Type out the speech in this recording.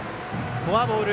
フォアボール。